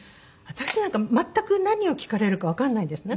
全く何を聞かれるかわからないんですね